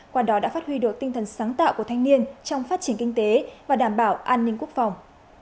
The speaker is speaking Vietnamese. qua đó đã phát huy được tinh thần sáng tạo của thanh niên trong phát triển kinh tế và đảm bảo an ninh quốc phòng